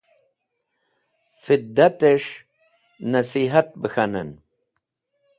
Fidatẽs̃h nẽsihat bẽ k̃hanẽn.